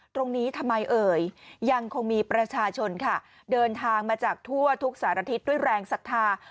ตรงนี้ทำไมเอ่ยยังคงมีประชาชนค่ะเดินทางมาจากทั่วทุกสารทิศด้วยแรงศรัทธา